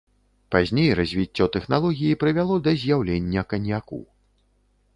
Пазней развіццё тэхналогіі прывяло да з'яўлення каньяку.